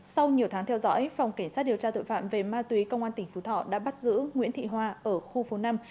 sau nhiều tháng theo dõi phòng cảnh sát điều tra tội phạm về ma túy công an tỉnh phú thọ đã bắt giữ nguyễn thị hoa ở khu phố năm